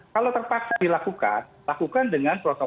kalau terpaksa dilakukan lakukan dengan berhati hati